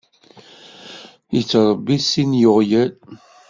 Yettṛebbi sin n yiɣyal.